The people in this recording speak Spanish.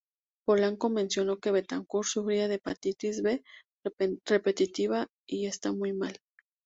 Polanco mencionó que Betancourt sufría de hepatitis B repetitiva y está muy mal.